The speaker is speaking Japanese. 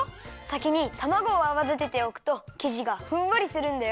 さきにたまごをあわだてておくときじがふんわりするんだよ。